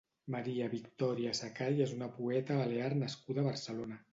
Maria Victòria Secall és una poeta balear nascuda a Barcelona.